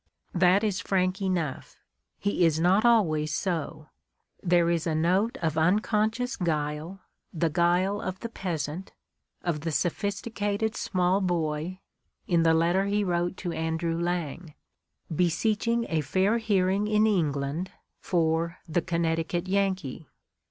" That is frank enough; he is not always so. There is a note of unconscious guile, the guile of the peasant, of the sophisticated small boy, in the letter he wrote to Andrew Lang, beseeching a fair hearing in England for the "Connecticut Yankee."